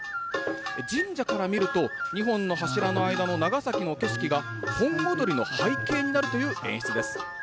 神社から見ると、２本の柱の間の長崎の景色が、本踊の背景になるという演出です。